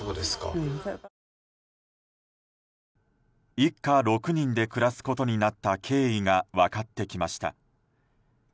一家６人で暮らすことになった経緯が分かってきました。